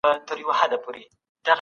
لمر ته وتل د ویټامن ډي اسانه لاره ده.